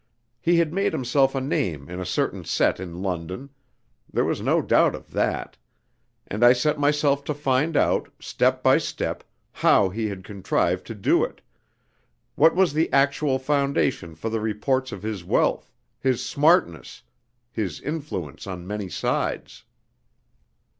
He had made himself a name in a certain set in London, there was no doubt of that; and I set myself to find out, step by step, how he had contrived to do it what was the actual foundation for the reports of his wealth, his "smartness," his influence on many sides.